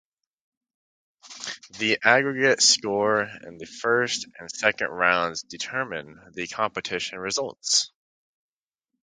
The aggregate score in the first and second rounds determine the competition results.